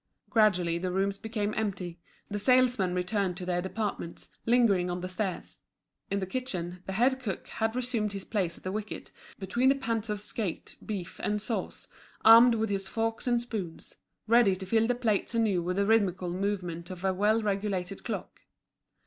Gradually the rooms became empty, the salesmen returned to their departments, lingering on the stairs. In the kitchen, the head cook had resumed his place at the wicket, between the pans of skate, beef, and sauce, armed with his forks and spoons, ready to fill the plates anew with the rhythmical movement of a well regulated clock.